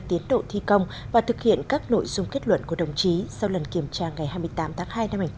tiến độ thi công và thực hiện các nội dung kết luận của đồng chí sau lần kiểm tra ngày hai mươi tám tháng hai